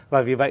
và vì vậy